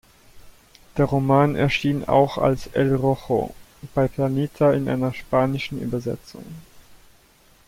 Der Roman erschien auch als "El rojo" bei Planeta in einer spanischen Übersetzung.